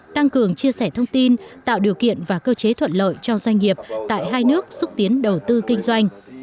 tăng cường chia sẻ thông tin tạo điều kiện và cơ chế thuận lợi cho doanh nghiệp tại hai nước xúc tiến đầu tư kinh doanh